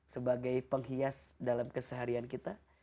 sebagai penghias dalam keseharian kita